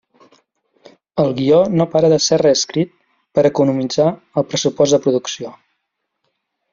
El guió no para de ser reescrit per economitzar el pressupost de producció.